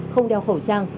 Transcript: không đeo khẩu trang